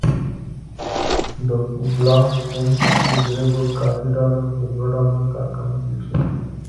ډوګلاس اېم سي ګرېګور کاري ډله په دوه ډوله کار کوونکو وېشلې.